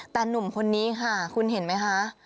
แต่หนุ่มคนนี้ค่ะคุณเห็นไหมคะ